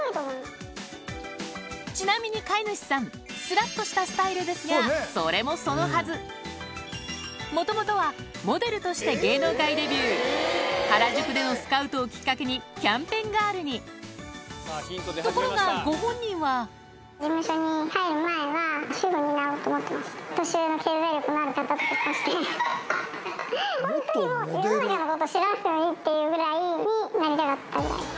ちなみに飼い主さんそれもそのはずもともとはモデルとして芸能界デビュー原宿でのスカウトをきっかけにキャンペーンガールにところがご本人はホントにもう。っていうぐらいになりたかったぐらい。